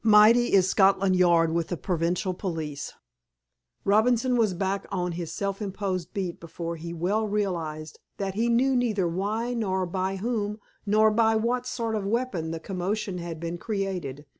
Mighty is Scotland Yard with the provincial police. Robinson was back on his self imposed beat before he well realized that he knew neither why nor by whom nor by what sort of weapon the commotion had been created.